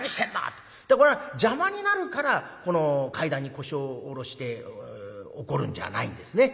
これは邪魔になるからこの階段に腰を下ろして怒るんじゃないんですね。